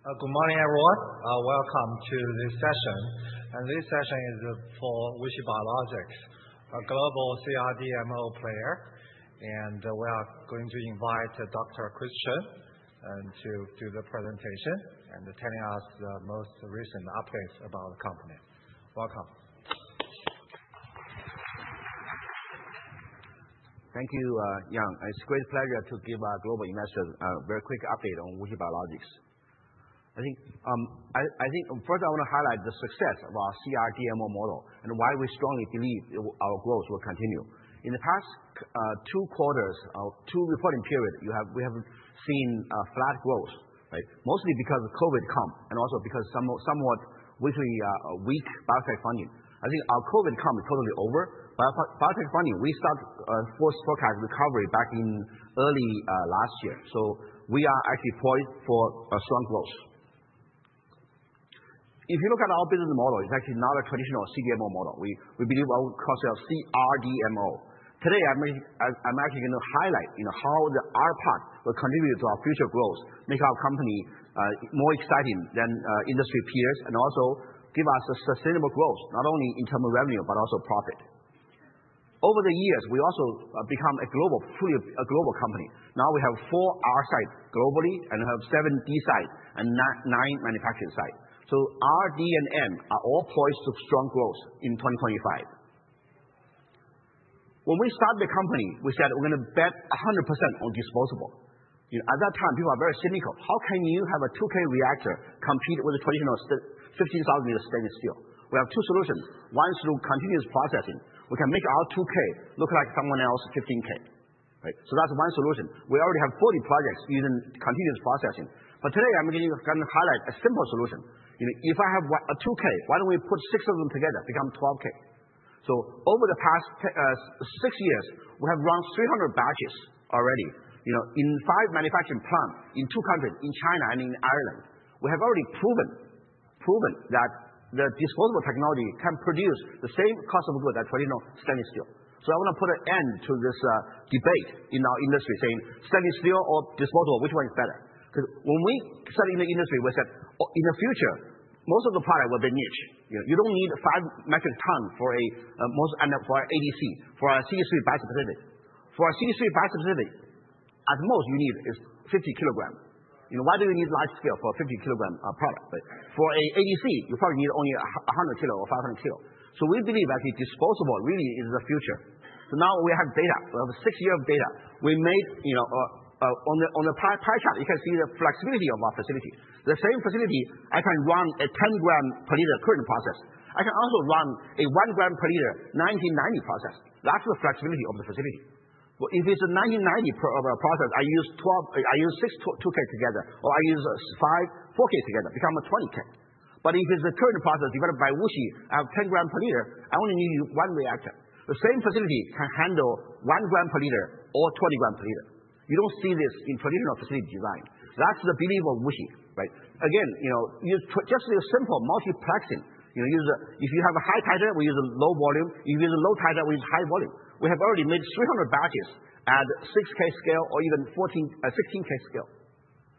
Good morning, everyone. Welcome to this session. And this session is for WuXi Biologics, a global CRDMO player. And we are going to invite Dr. Chris Chen to do the presentation and tell us the most recent updates about the company. Welcome. Thank you, Yang. It's a great pleasure to give our global investors a very quick update on WuXi Biologics. I think, first, I want to highlight the success of our CRDMO model and why we strongly believe our growth will continue. In the past two quarters, two reporting periods, we have seen flat growth, mostly because of COVID boom, and also because of somewhat weak biotech funding. I think our COVID boom is totally over. Biotech funding, we start forecast recovery back in early last year. So we are actually poised for strong growth. If you look at our business model, it's actually not a traditional CDMO model. We believe our core is CRDMO. Today, I'm actually going to highlight how the R part will contribute to our future growth, make our company more exciting than industry peers, and also give us sustainable growth, not only in terms of revenue, but also profit. Over the years, we also become a global, truly a global company. Now we have four R sites globally and have seven D sites and nine manufacturing sites. So R, D, and M are all poised to strong growth in 2025. When we started the company, we said we're going to bet 100% on disposable. At that time, people are very cynical. How can you have a 2,000 L reactor compete with a traditional 15,000 L stainless steel? We have two solutions. One is through continuous processing. We can make our 2,000 L look like someone else's 15,000 L. So that's one solution. We already have 40 projects using continuous processing. But today, I'm going to highlight a simple solution. If I have a 2,000 L, why don't we put six of them together, become 12,000 L? So over the past six years, we have run 300 batches already in five manufacturing plants in two countries, in China and in Ireland. We have already proven that the disposable technology can produce the same cost of goods as traditional stainless steel. So I want to put an end to this debate in our industry, saying stainless steel or disposable, which one is better? Because when we started in the industry, we said in the future, most of the product will be niche. You don't need five metric tons for an ADC, for a CD3 bispecific. For a CD3 bispecific, at most you need is 50 kg. Why do you need large scale for a 50 kg product? For an ADC, you probably need only 100 kilos or 500 kilos. So we believe actually disposable really is the future. So now we have data. We have six years of data. We made on the pie chart, you can see the flexibility of our facility. The same facility, I can run a 10 g/l current process. I can also run a 1 g/l 1990 process. That's the flexibility of the facility. If it's a 1990 process, I use six 2,000 L together, or I use five 4,000 L together, become a 20,000 L. But if it's a current process developed by WuXi, I have 10 g/l, I only need one reactor. The same facility can handle 1 g/l or 20 g/l. You don't see this in traditional facility design. That's the belief of WuXi. Again, just with a simple multiplexing, if you have a high titer, we use a low volume. If you use a low titer, we use high volume. We have already made 300 batches at 6,000 L scale or even 16,000 L scale,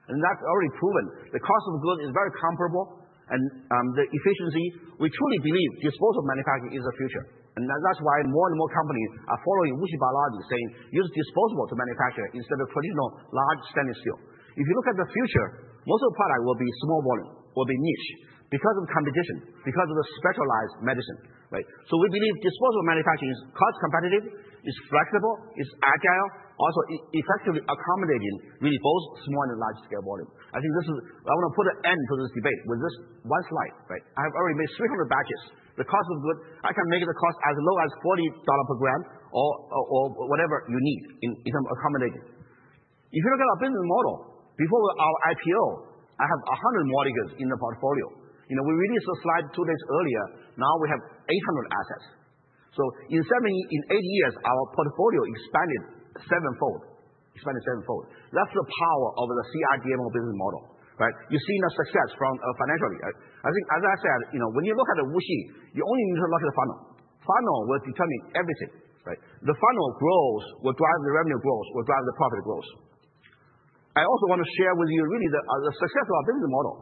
and that's already proven. The cost of goods is very comparable, and the efficiency. We truly believe disposable manufacturing is the future, and that's why more and more companies are following WuXi Biologics, saying use disposable to manufacture instead of traditional large stainless steel. If you look at the future, most of the product will be small volume, will be niche because of competition, because of the specialized medicine, so we believe disposable manufacturing is cost competitive, is flexible, is agile, also effectively accommodating really both small and large scale volume. I think this is, I want to put an end to this debate with just one slide. I have already made 300 batches. The cost of goods, I can make the cost as low as $40 per gram or whatever you need in terms of accommodating. If you look at our business model, before our IPO, I have 100 molecules in the portfolio. We released a slide two days earlier. Now we have 800 assets. So in eight years, our portfolio expanded sevenfold. That's the power of the CRDMO business model. You've seen the success financially. I think, as I said, when you look at WuXi, you only need to look at the funnel. Funnel will determine everything. The funnel growth will drive the revenue growth, will drive the profit growth. I also want to share with you really the success of our business model.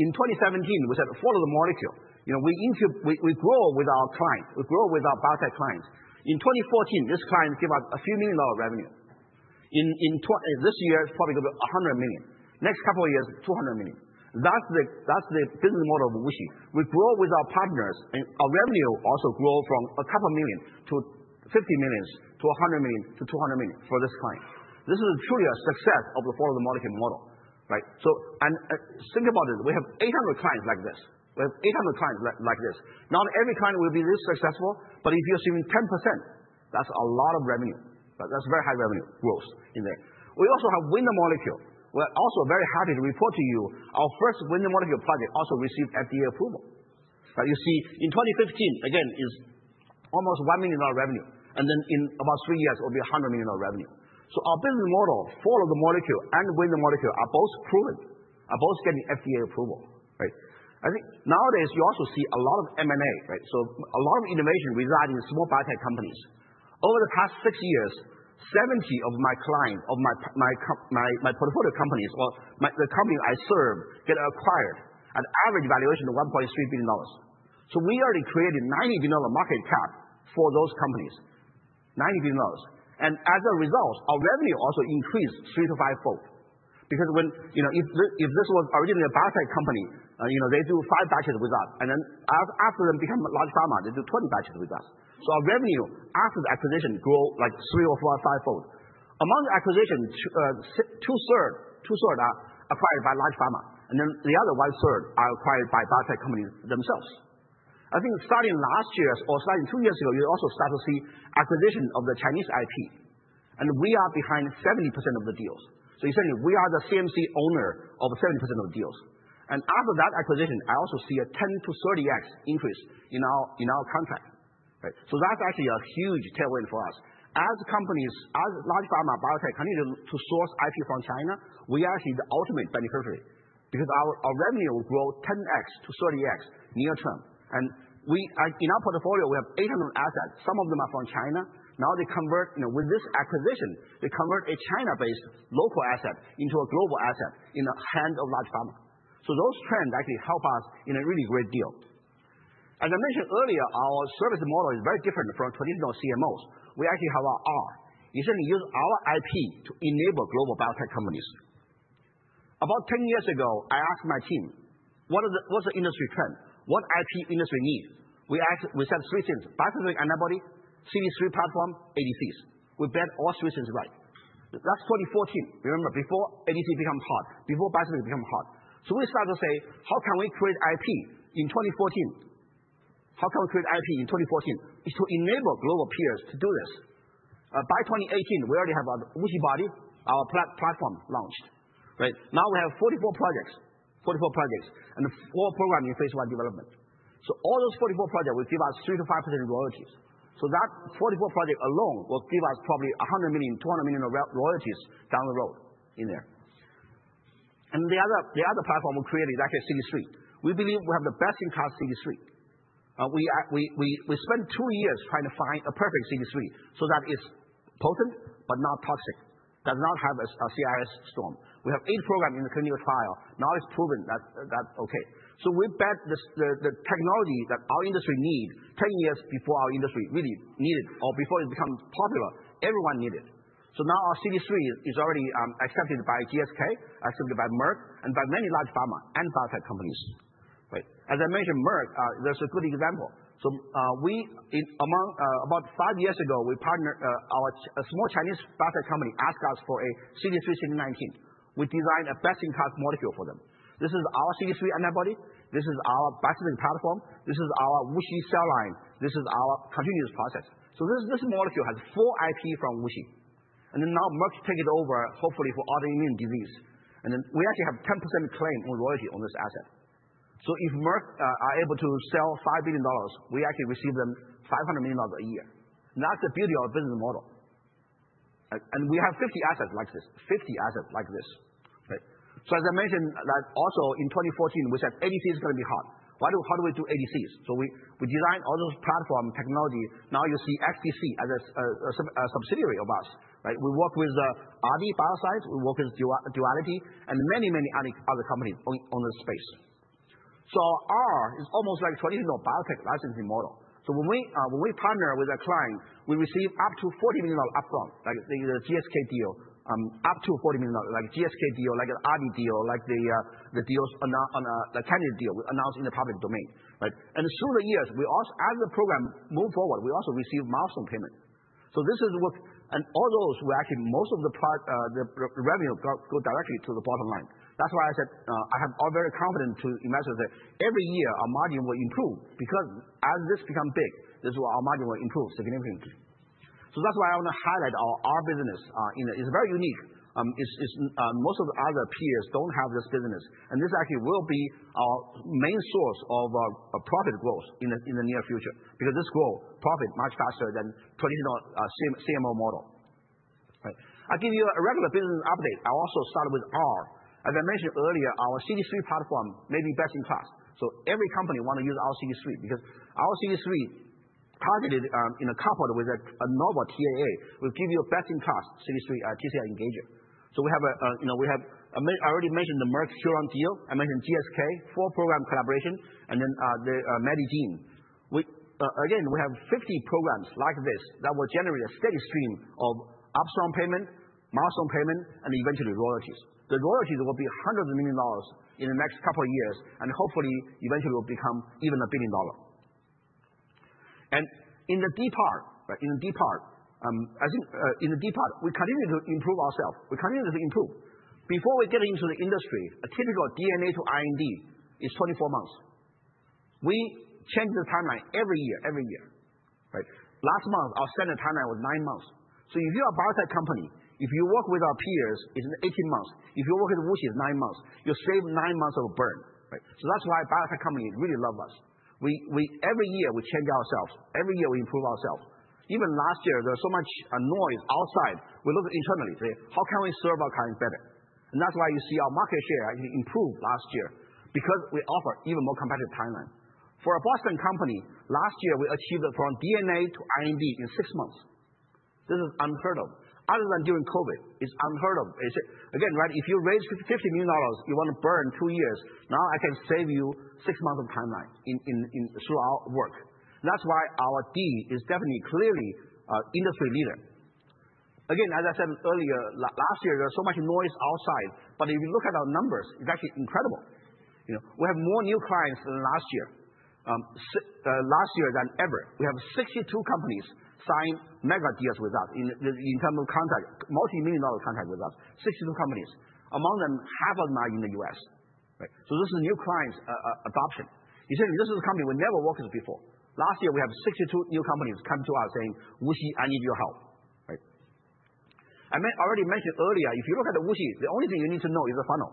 In 2017, we said follow the molecule. We grow with our clients. We grow with our biotech clients. In 2014, this client gave us a few million dollars revenue. This year, it's probably going to be $100 million. Next couple of years, $200 million. That's the business model of WuXi. We grow with our partners, and our revenue also grows from $2 million to $50 million to $100 million to $200 million for this client. This is truly a success of the Follow-the-Molecule model. Think about it. We have 800 clients like this. We have 800 clients like this. Not every client will be this successful, but if you're saving 10%, that's a lot of revenue. That's very high revenue growth in there. We also have Win-the-Molecule. We're also very happy to report to you our first Win-the-Molecule project also received FDA approval. You see, in 2015, again, it's almost $1 million revenue. And then in about three years, it will be $100 million revenue. Our business model, follow the molecule and win the molecule, is both proven and getting FDA approval. Nowadays, you also see a lot of M&A. A lot of innovation resides in small biotech companies. Over the past six years, 70 of my clients, of my portfolio companies, or the company I serve, get acquired at average valuation of $1.3 billion. We already created $90 billion market cap for those companies, $90 billion. As a result, our revenue also increased three- to fivefold. Because if this was originally a biotech company, they do five batches with us, and then after they become large pharma, they do 20 batches with us. Our revenue after the acquisition grew like three or four, fivefold. Among the acquisitions, 2/3 are acquired by large pharma, and then the other 1/3 are acquired by biotech companies themselves. I think starting last year or starting two years ago, you also start to see acquisitions of the Chinese IP. And we are behind 70% of the deals. So essentially, we are the CMC owner of 70% of the deals. And after that acquisition, I also see a 10x-30x increase in our contract. So that's actually a huge tailwind for us. As companies, as large pharma biotech continue to source IP from China, we are actually the ultimate beneficiary because our revenue will grow 10x-30x near term. And in our portfolio, we have 800 assets. Some of them are from China. Now they convert with this acquisition, a China-based local asset into a global asset in the hands of large pharma. So those trends actually help us in a really great deal. As I mentioned earlier, our service model is very different from traditional CMOs. We actually have our R. We certainly use our IP to enable global biotech companies. About 10 years ago, I asked my team, what's the industry trend? What IP does the industry need? We said three things: bispecific antibody, CD3 platform, ADCs. We bet all three things right. That's 2014. Remember, before ADC becomes hot, before bispecific becomes hot. So we start to say, how can we create IP in 2014? How can we create IP in 2014? It's to enable global peers to do this. By 2018, we already have WuXiBody, our platform launched. Now we have 44 projects, 44 projects, and four programs in phase I development. So all those 44 projects will give us 3%-5% royalties. So that 44 projects alone will give us probably $100 million-$200 million royalties down the road in there. And the other platform we created is actually CD3. We believe we have the best-in-class CD3. We spent two years trying to find a perfect CD3 so that it's potent but not toxic, does not have a CRS storm. We have eight programs in the clinical trial. Now it's proven that's OK. So we bet the technology that our industry needs 10 years before our industry really needed or before it becomes popular, everyone needed. So now our CD3 is already accepted by GSK, accepted by Merck, and by many large pharma and biotech companies. As I mentioned, Merck, that's a good example. So about five years ago, our small Chinese biotech company asked us for a CD3 CD19. We designed a best-in-class molecule for them. This is our CD3 antibody. This is our bispecific platform. This is our WuXi cell line. This is our continuous process. So this molecule has full IP from WuXi. And then now Merck takes it over, hopefully for autoimmune disease. And then we actually have 10% claim on royalty on this asset. So if Merck are able to sell $5 billion, we actually receive them $500 million a year. That's the beauty of our business model. And we have 50 assets like this, 50 assets like this. So as I mentioned, also in 2014, we said ADC is going to be hot. How do we do ADCs? So we designed all those platform technology. Now you see XDC as a subsidiary of us. We work with Aadi Bioscience. We work with Duality and many, many other companies on the space. So our R is almost like a traditional biotech licensing model. So when we partner with a client, we receive up to $40 million upfront, like the GSK deal, up to $40 million, like GSK deal, like the [Aridis deal], like the Canbridge deal] we announced in the public domain, and through the years, as the program moves forward, we also receive milestone payment. So this is what and all those will actually most of the revenue go directly to the bottom line. That's why I said I have very confidence to investors that every year our margin will improve because as this becomes big, this is why our margin will improve significantly. So that's why I want to highlight our business. It's very unique. Most of the other peers don't have this business, and this actually will be our main source of profit growth in the near future because this growth profits much faster than traditional CMO model. I'll give you a regular business update. I also started with R. As I mentioned earlier, our CD3 platform may be best-in-class. So every company wants to use our CD3 because our CD3 targeted in a coupled with a novel TAA will give you a best-in-class CD3 T-cell engager. So we have. I already mentioned the Merck Kelun deal. I mentioned GSK four-program collaboration, and then the Medigene. Again, we have 50 programs like this that will generate a steady stream of upstream payment, milestone payment, and eventually royalties. The royalties will be hundreds of millions of dollars in the next couple of years and hopefully eventually will become even a billion dollars, and in the D part, we continue to improve ourselves. We continue to improve. Before we get into the industry, a typical DNA to IND is 24 months. We change the timeline every year, every year. Last month, our standard timeline was nine months. So if you are a biotech company, if you work with our peers, it's 18 months. If you work with WuXi, it's nine months. You save nine months of burn. So that's why biotech companies really love us. Every year we change ourselves. Every year we improve ourselves. Even last year, there was so much noise outside. We looked internally. How can we serve our clients better, and that's why you see our market share actually improved last year because we offer even more competitive timeline. For a Boston company, last year we achieved from DNA to IND in six months. This is unheard of. Other than during COVID, it's unheard of. Again, if you raise $50 million, you want to burn two years. Now I can save you six months of timeline through our work. That's why our D is definitely clearly industry leader. Again, as I said earlier, last year there was so much noise outside, but if you look at our numbers, it's actually incredible. We have more new clients than last year than ever. We have 62 companies signed mega deals with us in terms of contract, multimillion-dollar contract with us, 62 companies. Among them, half of them are in the U.S. So this is new clients adoption. Essentially, this is a company we never worked with before. Last year, we have 62 new companies come to us saying, "WuXi, I need your help." I already mentioned earlier, if you look at the WuXi, the only thing you need to know is the funnel.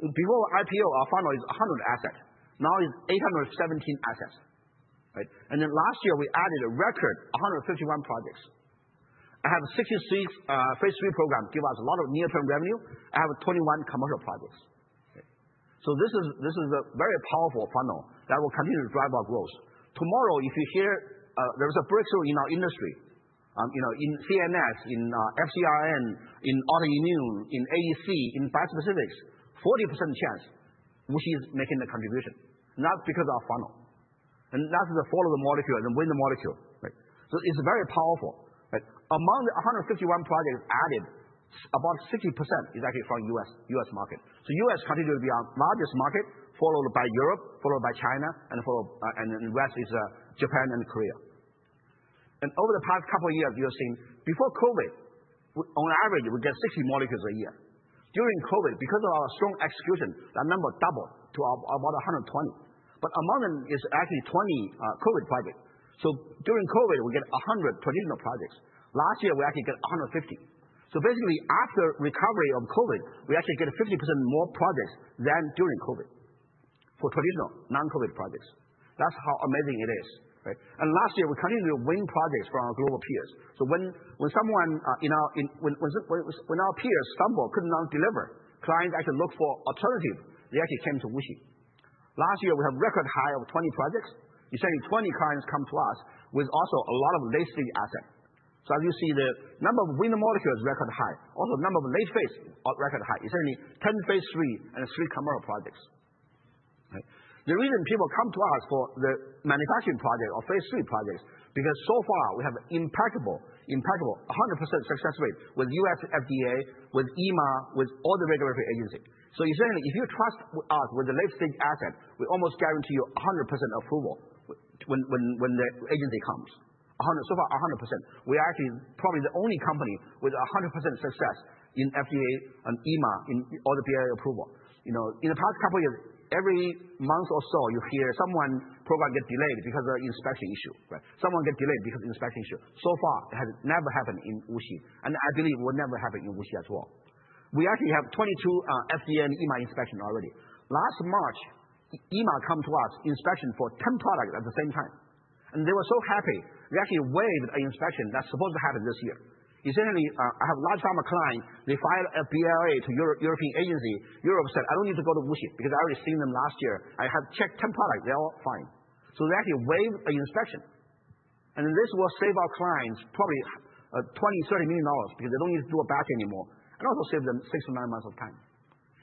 Before IPO, our funnel is 100 assets. Now it's 817 assets. And then last year, we added a record 151 projects. I have 63 phase III programs give us a lot of near-term revenue. I have 21 commercial projects. So this is a very powerful funnel that will continue to drive our growth. Tomorrow, if you hear there is a breakthrough in our industry, in CNS, in FcRn, in autoimmune, in ADC, in bispecifics, 40% chance WuXi is making a contribution, not because of our funnel. And that's the follow the molecule and the Win-the-Molecule. So it's very powerful. Among the 151 projects added, about 60% is actually from U.S. market. So U.S. continues to be our largest market, followed by Europe, followed by China, and the rest is Japan and Korea. Over the past couple of years, you've seen before COVID, on average, we get 60 molecules a year. During COVID, because of our strong execution, that number doubled to about 120. But among them is actually 20 COVID projects. So during COVID, we get 100 traditional projects. Last year, we actually got 150. So basically, after recovery of COVID, we actually get 50% more projects than during COVID for traditional non-COVID projects. That's how amazing it is. Last year, we continued to win projects from our global peers. So when someone in our peers stumbled, could not deliver, clients actually looked for alternatives, they actually came to WuXi. Last year, we had a record high of 20 projects. Essentially, 20 clients come to us with also a lot of late-stage assets. So as you see, the number of win molecules is record high. Also, the number of late phase is record high. Essentially, 10 phase III and three commercial projects. The reason people come to us for the manufacturing project or phase III projects is because so far we have impeccable, impeccable, 100% success rate with U.S. FDA, with EMA, with all the regulatory agencies. So essentially, if you trust us with the late-stage asset, we almost guarantee you 100% approval when the agency comes. So far, 100%. We are actually probably the only company with 100% success in FDA and EMA and all the BLA approval. In the past couple of years, every month or so, you hear someone's program gets delayed because of an inspection issue. Someone gets delayed because of an inspection issue. So far, it has never happened in WuXi, and I believe it will never happen in WuXi as well. We actually have 22 FDA and EMA inspections already. Last March, EMA came to us for inspection for 10 products at the same time, and they were so happy. We actually waived an inspection that's supposed to happen this year. Essentially, I have a large pharma client. They filed a BLA to a European agency. Europe said, "I don't need to go to WuXi because I already seen them last year. I have checked 10 products. They're all fine," so they actually waived the inspection. And this will save our clients probably $20 million-$30 million because they don't need to do a batch anymore and also save them six to nine months of time.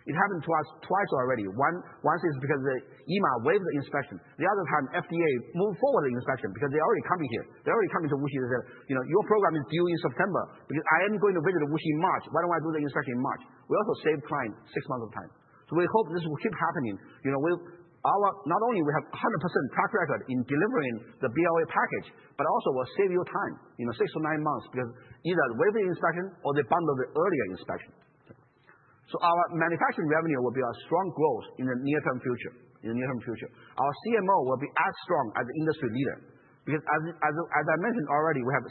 It happened to us twice already. Once is because the EMA waived the inspection. The other time, FDA moved forward the inspection because they already come here. They already come into WuXi and said, "Your program is due in September because I am going to visit WuXi in March. Why don't I do the inspection in March?" We also saved clients six months of time. So we hope this will keep happening. Not only do we have a 100% track record in delivering the BLA package, but also we'll save you time, six to nine months, because either they waived the inspection or they bundled the earlier inspection. So our manufacturing revenue will be our strong growth in the near-term future. Our CMO will be as strong as an industry leader because, as I mentioned already, we have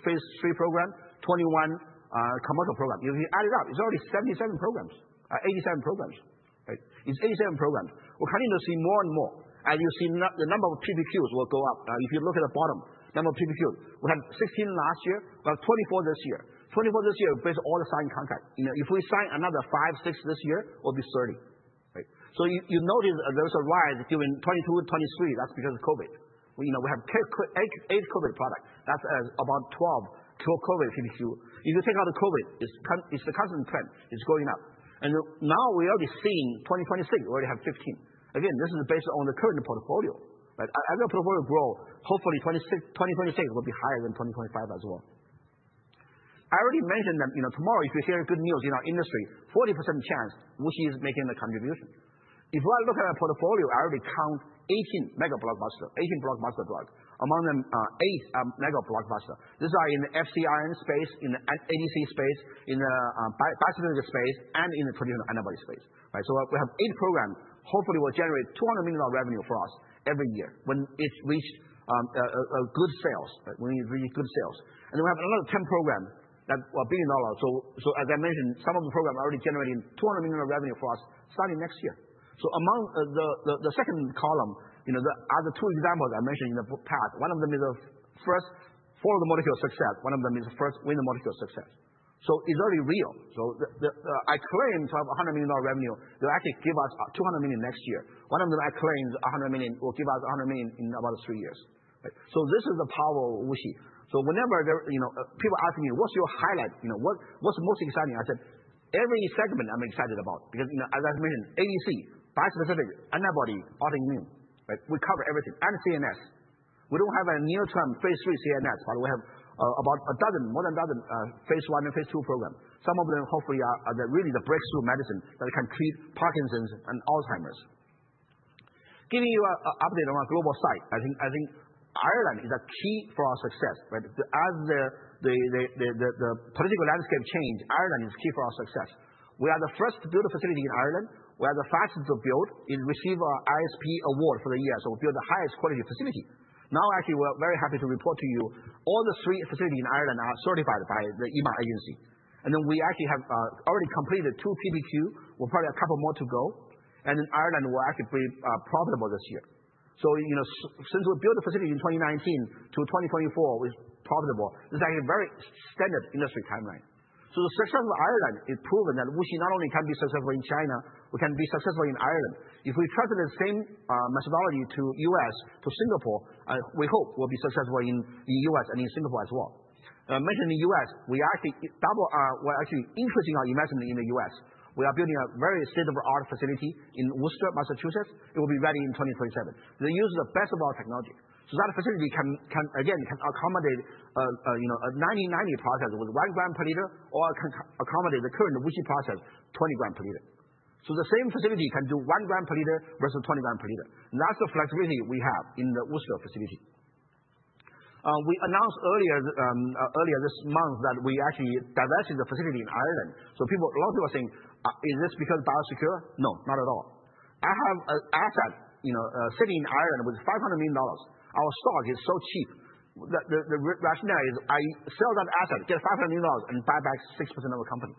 66 phase III programs, 21 commercial programs. If you add it up, it's already 87 programs. It's 87 programs. We're continuing to see more and more. As you see, the number of PPQs will go up. If you look at the bottom, the number of PPQs, we had 16 last year, about 24 this year. 24 this year based on all the signed contracts. If we sign another five, six this year, it will be 30. So you notice there was a rise during 2022, 2023. That's because of COVID. We have eight COVID products. That's about 12 COVID PPQ. If you take out the COVID, it's a constant trend. It's going up, and now we already see in 2026, we already have 15. Again, this is based on the current portfolio. As the portfolio grows, hopefully 2026 will be higher than 2025 as well. I already mentioned that tomorrow, if you hear good news in our industry, 40% chance WuXi is making a contribution. If I look at our portfolio, I already count 18 mega blockbuster, 18 blockbuster drugs. Among them, eight mega blockbuster. These are in the FcRn space, in the ADC space, in the bispecific space, and in the traditional antibody space. So we have eight programs. Hopefully, it will generate $200 million revenue for us every year when it reaches good sales, when it reaches good sales. And then we have another 10 programs that are $1 billion. So as I mentioned, some of the programs are already generating $200 million revenue for us starting next year. So the second column, there are the two examples I mentioned in the past. One of them is the first follow the molecule success. One of them is the first win molecule success. So it's already real. So I claim to have $100 million revenue. They'll actually give us $200 million next year. One of them I claim is $100 million. It will give us $100 million in about three years. This is the power of WuXi. Whenever people ask me, "What's your highlight? What's most exciting?" I said, "Every segment I'm excited about." Because, as I mentioned, ADC, bispecific, antibody, autoimmune, we cover everything, and CNS. We don't have a near-term phase III CNS, but we have about a dozen, more than a dozen phase I and phase II programs. Some of them, hopefully, are really the breakthrough medicine that can treat Parkinson's and Alzheimer's. Giving you an update on our global site, I think Ireland is a key for our success. As the political landscape changed, Ireland is key for our success. We are the first to build a facility in Ireland. We are the fastest to build. It received our ISPE award for the year. So we built the highest quality facility. Now, actually, we're very happy to report to you all the three facilities in Ireland are certified by the EMA agency, and then we actually have already completed two PPQ. We'll probably have a couple more to go, and then Ireland will actually be profitable this year, so since we built the facility in 2019 to 2024, it's profitable. It's actually a very standard industry timeline, so the success of Ireland is proven that WuXi not only can be successful in China, we can be successful in Ireland. If we trust the same methodology to the U.S., to Singapore, we hope we'll be successful in the U.S. and in Singapore as well. I mentioned the U.S. We're actually increasing our investment in the U.S. We are building a very state-of-the-art facility in Worcester, Massachusetts. It will be ready in 2027. They use the best of our technology. So that facility can, again, accommodate a 1990 process with 1 g/l or accommodate the current WuXi process, 20 g/l. So the same facility can do 1 g/l versus 20 g/l. That's the flexibility we have in the Worcester facility. We announced earlier this month that we actually divested the facility in Ireland. So a lot of people are saying, "Is this because Biosecure?" No, not at all. I have an asset sitting in Ireland with $500 million. Our stock is so cheap. The rationale is I sell that asset, get $500 million, and buy back 6% of the company.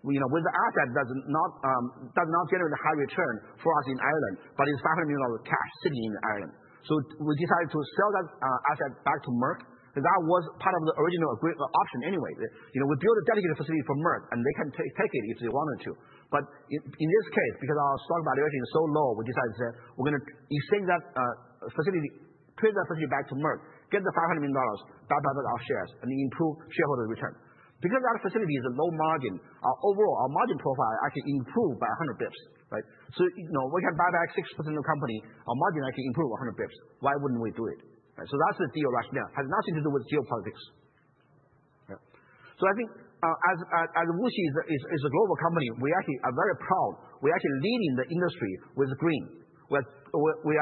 With the asset, that does not generate a high return for us in Ireland, but it's $500 million cash sitting in Ireland. So we decided to sell that asset back to Merck because that was part of the original option anyway. We built a dedicated facility for Merck, and they can take it if they wanted to. But in this case, because our stock valuation is so low, we decided to say, "We're going to extend that facility, push that facility back to Merck, get the $500 million, buy back our shares, and improve shareholder return." Because that facility is a low margin, overall, our margin profile actually improved by 100 basis points. So we can buy back 6% of the company. Our margin actually improved 100 basis points. Why wouldn't we do it? So that's the deal rationale. It has nothing to do with geopolitics. So I think as WuXi is a global company, we actually are very proud. We're actually leading the industry with green. We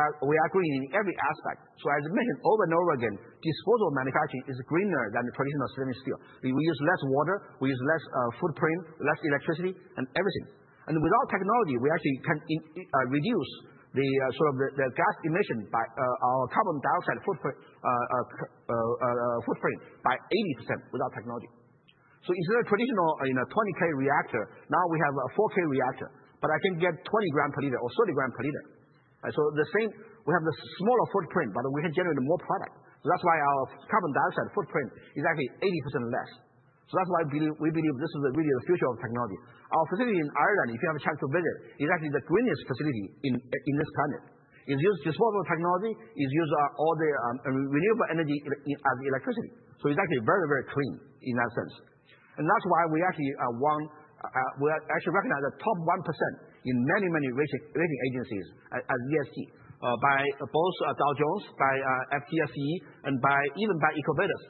are green in every aspect. So as I mentioned over and over again, disposable manufacturing is greener than the traditional stainless steel. We use less water. We use less footprint, less electricity, and everything. And without technology, we actually can reduce the gas emission by our carbon dioxide footprint by 80% without technology. So instead of a traditional 20,000 L reactor, now we have a 4, 000 L reactor, but I can get 20 g/l or 30 g/l. So we have the smaller footprint, but we can generate more product. So that's why our carbon dioxide footprint is actually 80% less. So that's why we believe this is really the future of technology. Our facility in Ireland, if you have a chance to visit, is actually the greenest facility on this planet. It's used disposable technology. It's used all the renewable energy as electricity. So it's actually very, very clean in that sense. That's why we actually recognize the top 1% in many, many rating agencies as ESG by both Dow Jones, by FTSE, and even by EcoVadis.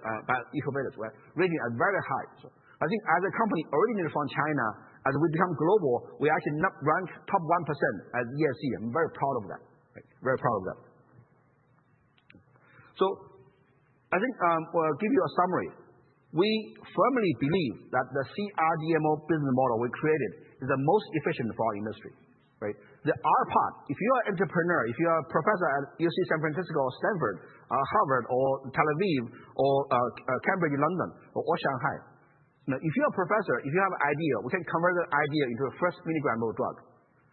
EcoVadis rating is very high. I think as a company originally from China, as we become global, we actually rank top 1% as ESG. I'm very proud of that. Very proud of that. I think I'll give you a summary. We firmly believe that the CRDMO business model we created is the most efficient for our industry. The R part, if you are an entrepreneur, if you are a professor at UC San Francisco or Stanford or Harvard or Tel Aviv or Cambridge London or Shanghai, if you're a professor, if you have an idea, we can convert that idea into a first milligram of drug.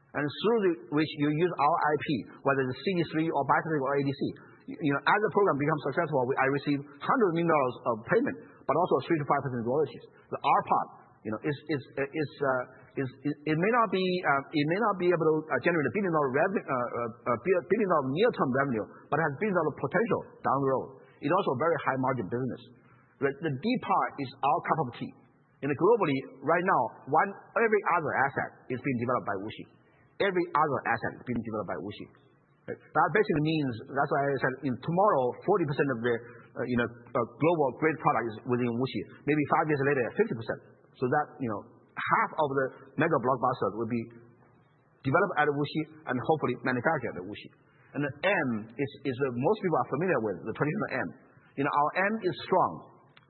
Through which you use our IP, whether it's CD3 or bispecific or ADC. As the program becomes successful, I receive $100 million of payment, but also 3%-5% royalties. The R part, it may not be able to generate a billion-dollar near-term revenue, but it has billions of potential down the road. It's also a very high-margin business. The D part is our cup of tea. Globally, right now, every other asset is being developed by WuXi. Every other asset is being developed by WuXi. That basically means that's why I said tomorrow, 40% of the global great product is within WuXi. Maybe five years later, 50%. Half of the mega blockbusters will be developed at WuXi and hopefully manufactured at WuXi. The M is what most people are familiar with, the traditional M. Our model is strong,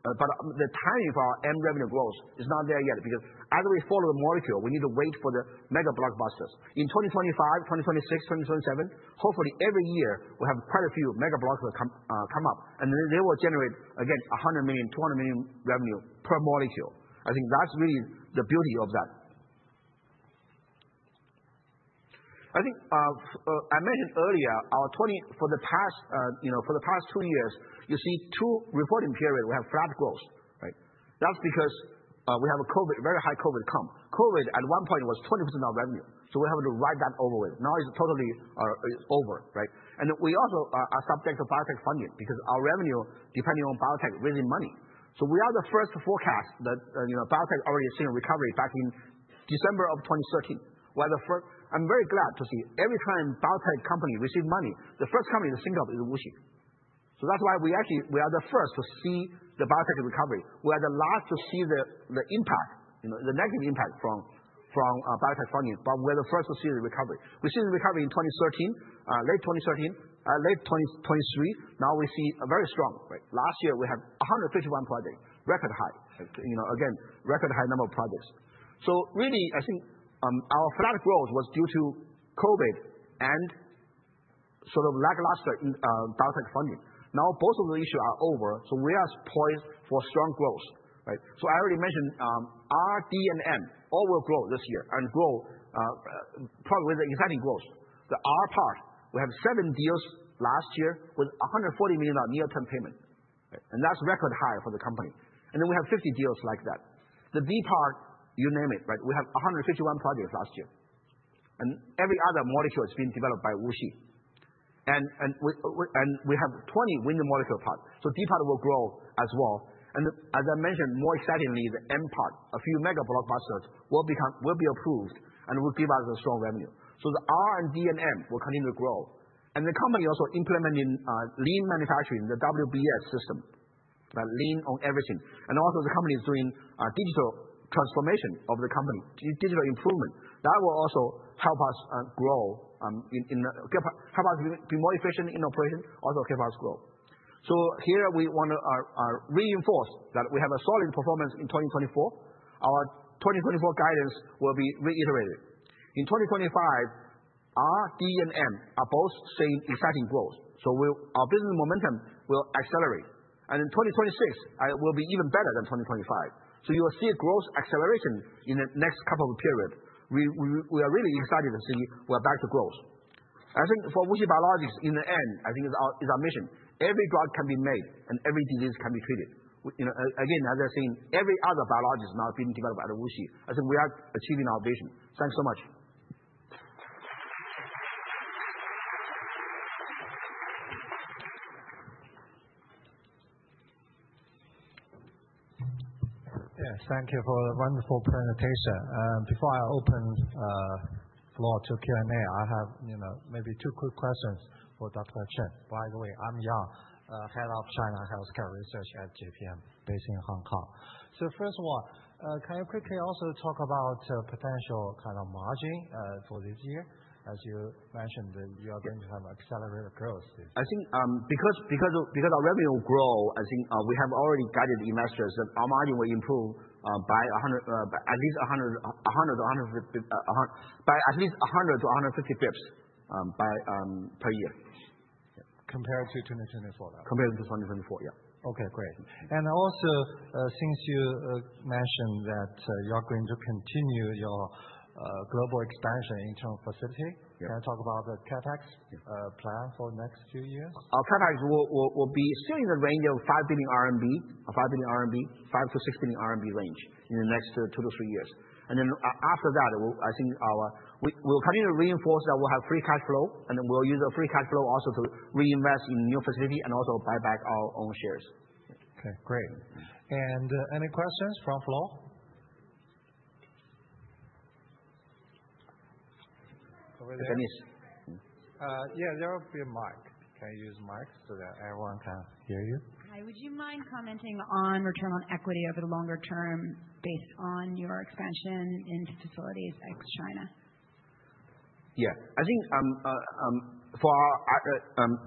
but the timing for our model revenue growth is not there yet because as we follow the molecule, we need to wait for the mega blockbusters. In 2025, 2026, 2027, hopefully every year, we'll have quite a few mega blockbusters come up. And then they will generate, again, $100 million, $200 million revenue per molecule. I think that's really the beauty of that. I think I mentioned earlier, for the past two years, you see two reporting periods, we have flat growth. That's because we have a COVID, very high COVID comp. COVID at one point was 20% of revenue. So we have to ride that out with. Now it's totally over. And we also are subject to biotech funding because our revenue depends on biotech raising money. So we are the first to forecast that biotech already seen a recovery back in December of 2023. I'm very glad to see every time a biotech company receives money, the first company to think of is WuXi. So that's why we are the first to see the biotech recovery. We are the last to see the impact, the negative impact from biotech funding. But we are the first to see the recovery. We see the recovery in late 2013, late 2023. Now we see very strong. Last year, we had 151 projects, record high. Again, record high number of projects. So really, I think our flat growth was due to COVID and lackluster biotech funding. Now both of those issues are over. So we are poised for strong growth. So I already mentioned R, D, and M all will grow this year and grow probably with exciting growth. The R part, we had seven deals last year with $140 million near-term payment. That's a record high for the company. Then we have 50 deals like that. The B part, you name it, we had 151 projects last year. Every other molecule has been developed by WuXi. We have 20 Win-the-Molecule parts. The D part will grow as well. As I mentioned, more excitingly, the M part, a few mega blockbusters will be approved and will give us a strong revenue. The R and D and M will continue to grow. The company is also implementing lean manufacturing, the WBS system, lean on everything. The company is doing digital transformation of the company, digital improvement. That will also help us grow, help us be more efficient in operation, also help us grow. Here, we want to reinforce that we have a solid performance in 2024. Our 2024 guidance will be reiterated. In 2025, R, D, and M are both seeing exciting growth. So our business momentum will accelerate. And in 2026, it will be even better than 2025. So you will see a growth acceleration in the next couple of periods. We are really excited to see we are back to growth. I think for WuXi Biologics, in the end, I think is our mission. Every drug can be made and every disease can be treated. Again, as I said, every other biology is now being developed by the WuXi. I think we are achieving our vision. Thanks so much. Yeah, thank you for the wonderful presentation. Before I open the floor to Q&A, I have maybe two quick questions for Dr. Chen. By the way, I'm Yang, head of China Healthcare Research at JPM, based in Hong Kong. So first of all, can you quickly also talk about potential kind of margin for this year? As you mentioned, you are going to have accelerated growth this year. I think because our revenue will grow, I think we have already guided investors that our margin will improve by at least 100-150 basis points per year. Compared to 2024, that's right? Compared to 2024, yeah. Okay, great. And also, since you mentioned that you're going to continue your global expansion in terms of facility, can you talk about the CapEx plan for the next few years? Our CapEx will be still in the range of 5 billion RMB, 5 billion RMB, 5-6 billion RMB range in the next two to three years. And then after that, I think we'll continue to reinforce that we'll have free cash flow. And then we'll use the free cash flow also to reinvest in new facility and also buy back our own shares. Okay, great. And any questions from the floor? Denise. Yeah, there will be a mic. Can you use the mic so that everyone can hear you? Hi. Would you mind commenting on return on equity over the longer term based on your expansion into facilities ex China? Yeah. I think for our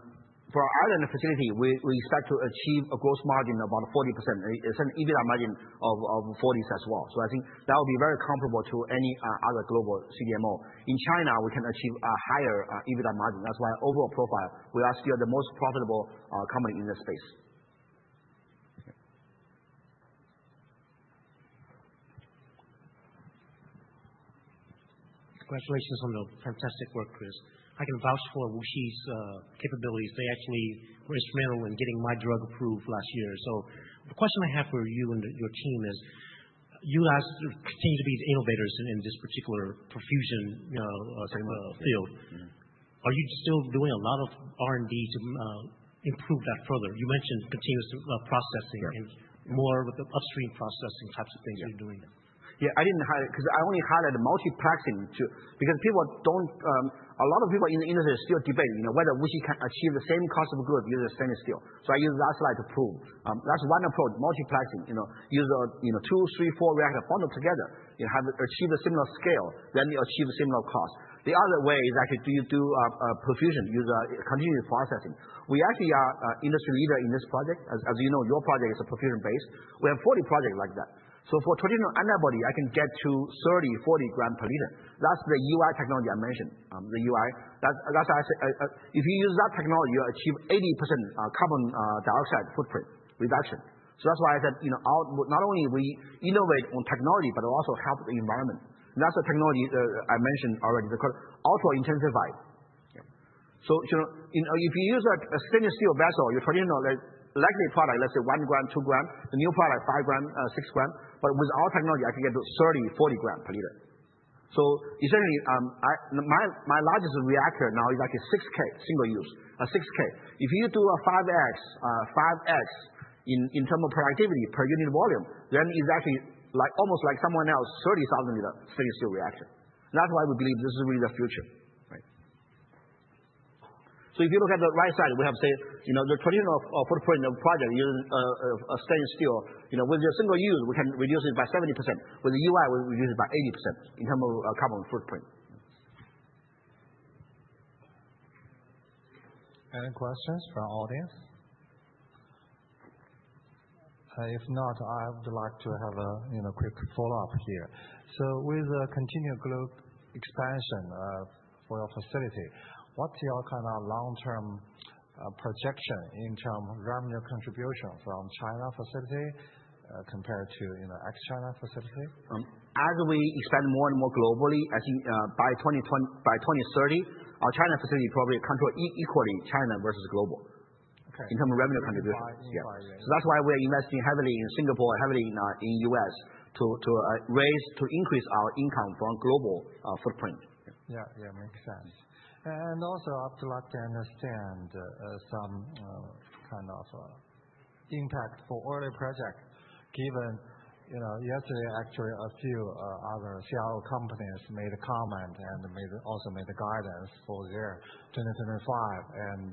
Ireland facility, we expect to achieve a gross margin of about 40%, an EBITDA margin of 40% as well. So I think that will be very comparable to any other global CDMO. In China, we can achieve a higher EBITDA margin. That's why overall profile, we are still the most profitable company in the space. Congratulations on the fantastic work, Chris. I can vouch for WuXi's capabilities. They actually were instrumental in getting my drug approved last year. So the question I have for you and your team is, you guys continue to be the innovators in this particular perfusion field. Are you still doing a lot of IND to improve that further? You mentioned continuous processing and more with the upstream processing types of things you're doing. Yeah, I didn't highlight because I only highlighted multiplexing because a lot of people in the industry are still debating whether WuXi can achieve the same cost of goods using the same scale. So I use that slide to prove. That's one approach, multiplexing. Use two, three, four reactors, bundle together, have achieved a similar scale, then achieve a similar cost. The other way is actually do you do perfusion using continuous processing. We actually are industry leader in this project. As you know, your project is a perfusion-based. We have 40 projects like that. So for traditional antibody, I can get to 30-40 g/l. That's the UI technology I mentioned. If you use that technology, you'll achieve 80% carbon dioxide footprint reduction. So that's why I said not only we innovate on technology, but it also helps the environment, and that's the technology I mentioned already. It's called ultra-intensified. So if you use a stainless steel vessel, your traditional legacy product, let's say 1 g, 2 g, the new product, five grams, six grams, but with our technology, I can get to 30 g/l-40 g/l. So essentially, my largest reactor now is actually 6,000 L, single use, 6,000 L. If you do a 5x, 5x in terms of productivity per unit volume, then it's actually almost like someone else's 30,000 L stainless steel reactor. That's why we believe this is really the future. So if you look at the right side, we have the traditional footprint of project using stainless steel. With your single use, we can reduce it by 70%. With EY, we reduce it by 80% in terms of carbon footprint. Any questions from the audience? If not, I would like to have a quick follow-up here. So with the continued global expansion for your facility, what's your kind of long-term projection in terms of revenue contribution from China facility compared to ex China facility? As we expand more and more globally, I think by 2030, our China facility probably controls equally China versus global in terms of revenue contribution. So that's why we are investing heavily in Singapore and heavily in the U.S. to increase our income from global footprint. Yeah, yeah, makes sense. And also, I'd like to understand some kind of impact for early projects. Given yesterday, actually, a few other CRO companies made a comment and also made guidance for their 2025. And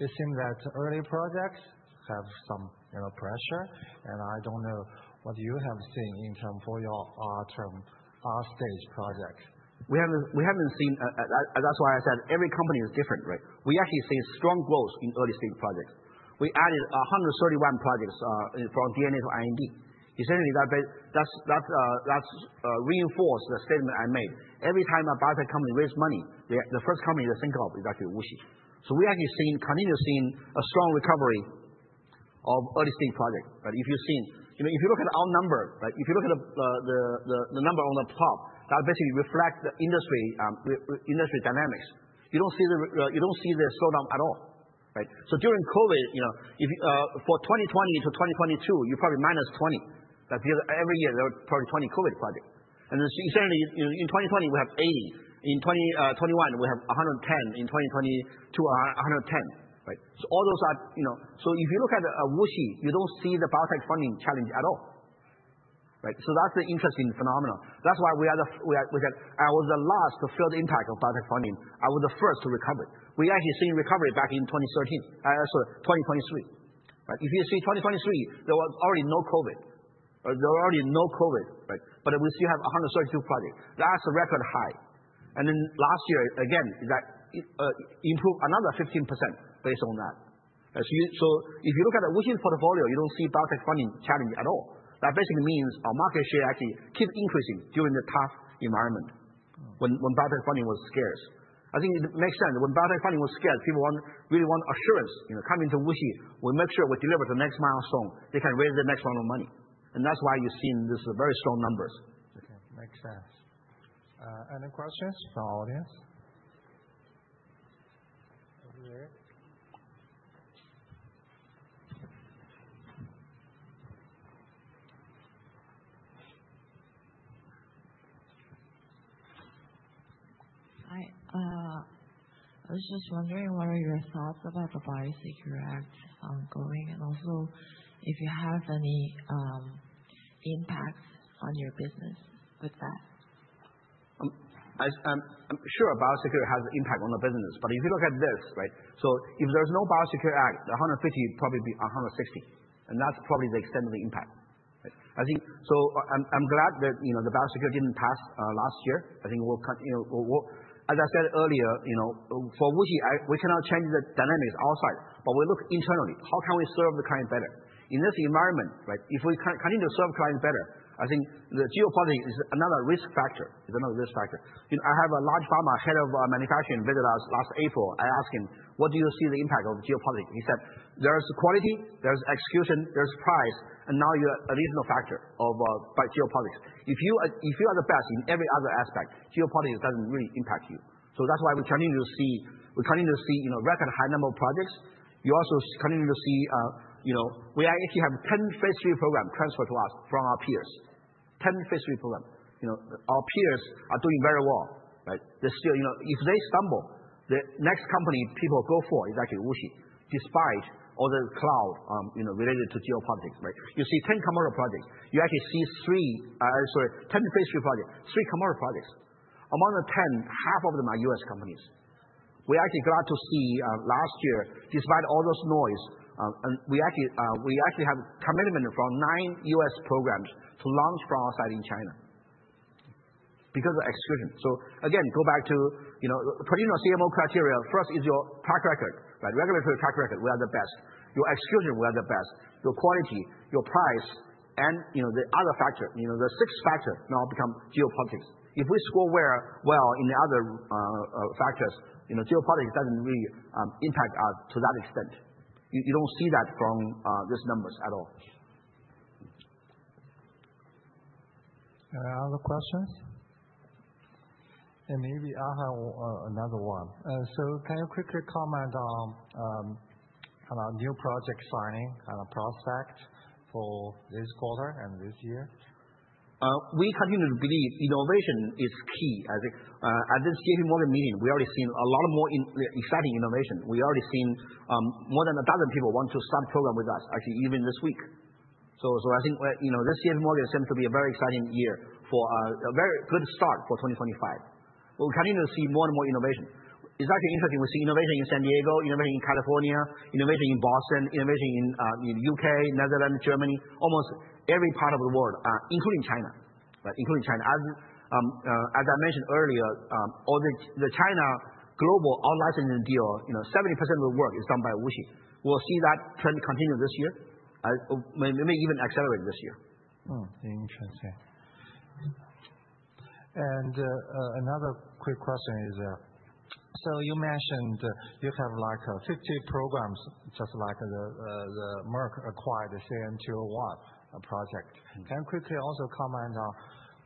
it seems that early projects have some pressure. And I don't know what you have seen in terms of your R stage projects. We haven't seen, that's why I said every company is different. We actually see strong growth in early stage projects. We added 131 projects from DNA to IND. Essentially, that reinforces the statement I made. Every time a biotech company raises money, the first company to think of is actually WuXi. So we actually continue seeing a strong recovery of early stage projects. If you look at our number, if you look at the number on the plot, that basically reflects the industry dynamics. You don't see the slowdown at all. So during COVID, for 2020 to 2022, you're probably -20. Every year, there are probably 20 COVID projects, and essentially, in 2020, we have 80. In 2021, we have 110. In 2022, 110. So all those are, so if you look at WuXi, you don't see the biotech funding challenge at all. So that's the interesting phenomenon. That's why I was the last to feel the impact of biotech funding. I was the first to recover. We actually seen recovery back in 2013, sorry, 2023. If you see 2023, there was already no COVID. There was already no COVID. But we still have 132 projects. That's a record high. And then last year, again, improved another 15% based on that. So if you look at WuXi's portfolio, you don't see biotech funding challenge at all. That basically means our market share actually keeps increasing during the tough environment when biotech funding was scarce. I think it makes sense. When biotech funding was scarce, people really want assurance. Coming to WuXi, we make sure we deliver the next milestone. They can raise the next round of money. And that's why you're seeing these very strong numbers. Okay, makes sense. Any questions from the audience? Hi. I was just wondering, what are your thoughts about the Biosecure Act ongoing? And also, if you have any impact on your business with that? I'm sure the Biosecure Act has an impact on the business, but if you look at this, so if there's no Biosecure Act, the 150 would probably be 160. That's probably the extent of the impact. I'm glad that the Biosecure Act didn't pass last year. I think, as I said earlier, for WuXi, we cannot change the dynamics outside, but we look internally. How can we serve the client better? In this environment, if we continue to serve clients better, I think the geopolitics is another risk factor. It's another risk factor. I have a large pharma head of manufacturing visited us last April. I asked him, what do you see the impact of geopolitics? He said, there is quality, there is execution, there is price, and now you're an additional factor of geopolitics. If you are the best in every other aspect, geopolitics doesn't really impact you. So that's why we continue to see record high number of projects. You also continue to see we actually have 10 phase III programs transferred to us from our peers. 10 phase III programs. Our peers are doing very well. If they stumble, the next company people go for is actually WuXi, despite all the clouds related to geopolitics. You see 10 commercial projects. You actually see 10 phase III projects, three commercial projects. Among the 10, half of them are U.S. companies. We're actually glad to see last year, despite all those noise, we actually have commitment from nine U.S. programs to launch from our side in China because of execution. So again, go back to traditional CMO criteria. First is your track record, regulatory track record. We are the best. Your execution, we are the best. Your quality, your price, and the other factor, the sixth factor now becomes geopolitics. If we score well in the other factors, geopolitics doesn't really impact us to that extent. You don't see that from these numbers at all. Other questions? And maybe I have another one, so can you quickly comment on new project signing prospects for this quarter and this year? We continue to believe innovation is key. At this JPMorgan meeting, we've already seen a lot more exciting innovation. We've already seen more than a dozen people want to start a program with us, actually, even this week. So I think this JPMorgan seems to be a very exciting year, a very good start for 2025. We continue to see more and more innovation. It's actually interesting. We see innovation in San Diego, innovation in California, innovation in Boston, innovation in the U.K., Netherlands, Germany, almost every part of the world, including China. As I mentioned earlier, the China global outlicensing deal, 70% of the work is done by WuXi. We'll see that trend continue this year. It may even accelerate this year. Interesting, and another quick question is, so you mentioned you have 50 programs, just like the Merck acquired the CN201 project. Can you quickly also comment on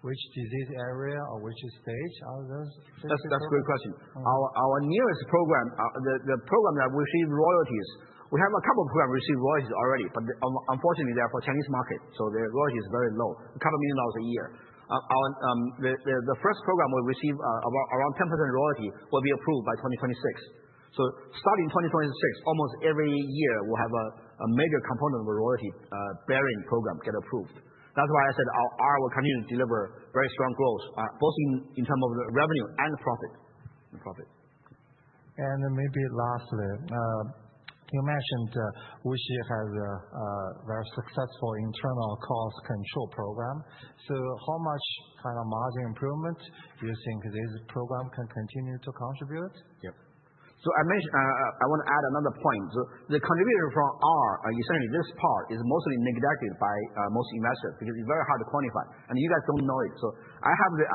which disease area or which stage are those? That's a good question. Our newest program, the program that we receive royalties, we have a couple of programs receive royalties already. But unfortunately, they're for Chinese market. So the royalty is very low, a couple of million dollars a year. The first program will receive around 10% royalty will be approved by 2026. So starting 2026, almost every year, we'll have a major component of a royalty-bearing program get approved. That's why I said our will continue to deliver very strong growth, both in terms of revenue and profit. And maybe lastly, you mentioned WuXi has a very successful internal cost control program. So how much margin improvement do you think this program can continue to contribute? Yep, so I want to add another point. The contribution from our, essentially, this part is mostly neglected by most investors because it's very hard to quantify, and you guys don't know it, so I have the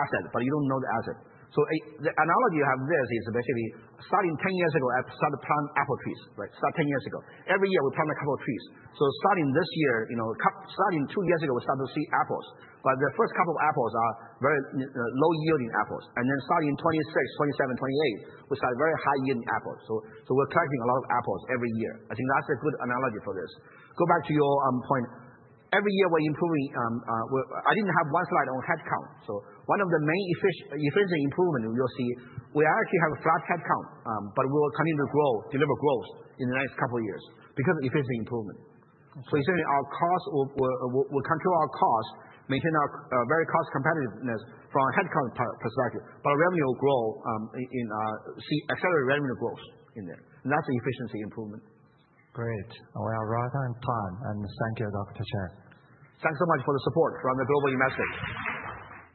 asset, but you don't know the asset, so the analogy I have there is basically starting 10 years ago, I started planting apple trees. Every year, we plant a couple of trees. So starting this year, starting two years ago, we started to see apples, but the first couple of apples are very low-yielding apples, and then starting 2026, 2027, 2028, we started very high-yielding apples, so we're collecting a lot of apples every year. I think that's a good analogy for this. Go back to your point. Every year, we're improving. I didn't have one slide on headcount. So one of the main efficiency improvements you'll see, we actually have a flat headcount. But we will continue to grow, deliver growth in the next couple of years because of efficiency improvement. So essentially, our cost, we'll control our cost, maintain our very cost competitiveness from a headcount perspective. But revenue will grow, see accelerate revenue growth in there. And that's the efficiency improvement. Great. We are right on time. And thank you, Dr. Chen. Thanks so much for the support from the global investors.